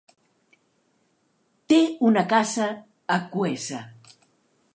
Té una casa a Quesa.